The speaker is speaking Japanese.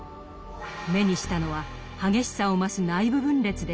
目にしたのは激しさを増す内部分裂でした。